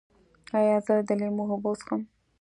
ایا زه د لیمو اوبه وڅښم؟